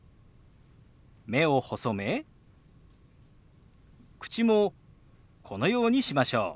目を細め口もこのようにしましょう。